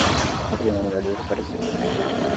Havia uma mulher desaparecida!